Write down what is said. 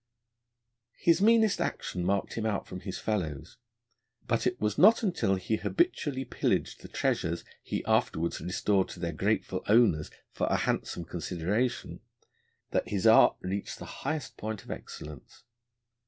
His meanest action marked him out from his fellows, but it was not until he habitually pillaged the treasures he afterwards restored to their grateful owners for a handsome consideration, that his art reached the highest point of excellence.